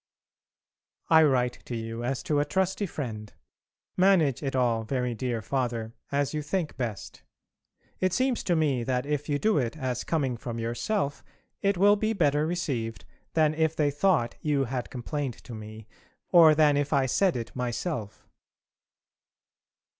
I write to you as to a trusty friend. Manage it all, very dear Father, as you think best. It seems to me that if you do it as coming from yourself it will be better received than if they thought you had complained to me, or than if I said it myself.